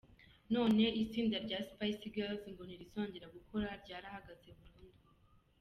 none itsinda rya Spice Girls ngo ntirizongera gukora ryarahagaze burundu.